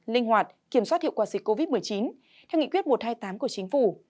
linh hoạt kiểm soát hiệu quả dịch covid một mươi chín theo nghị quyết một trăm hai mươi tám của chính phủ